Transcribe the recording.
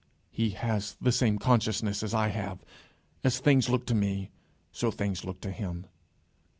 "He has the same consciousness as I have. As things look to me, so things look to him."